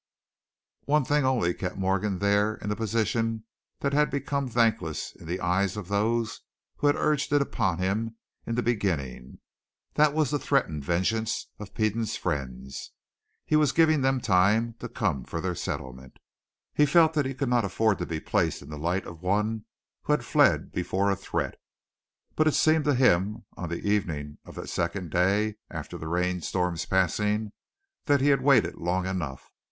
One thing only kept Morgan there in the position that had become thankless in the eyes of those who had urged it upon him in the beginning. That was the threatened vengeance of Peden's friends. He was giving them time to come for their settlement; he felt that he could not afford to be placed in the light of one who had fled before a threat. But it seemed to him, on the evening of the second day after the rain storm's passing, that he had waited long enough.